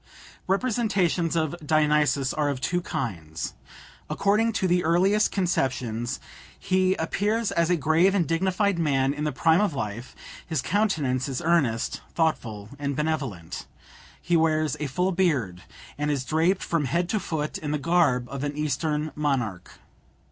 Representations of Dionysus are of two kinds. According to the earliest conceptions, he appears as a grave and dignified man in the prime of life; his countenance is earnest, thoughtful, and benevolent; he wears a full beard, and is draped from head to foot in the garb of an Eastern monarch.